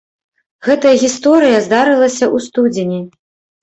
Гэтая гісторыя здарылася ў студзені.